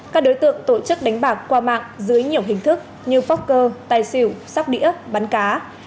các đối tượng tổ chức đánh bạc qua mạng dưới nhiều hình thức như phóc cơ tài xỉu sóc đĩa bắn cá